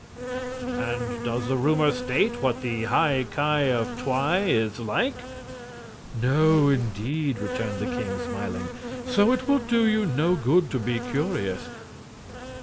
"And does the rumor state what the High Ki of Twi is like?" "No, indeed," returned the king, smiling, "so it will do you no good to be curious.